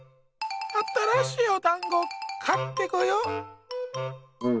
あたらしいおだんごかってこよ。